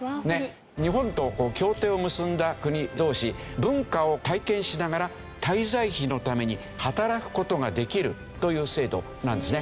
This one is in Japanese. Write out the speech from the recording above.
日本と協定を結んだ国同士文化を体験しながら滞在費のために働く事ができるという制度なんですね。